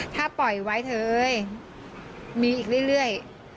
ถ้าปล่อยไว้เถอะมีอีกเรื่อย